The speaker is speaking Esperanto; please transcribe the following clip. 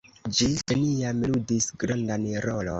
Ĝi neniam ludis grandan rolon.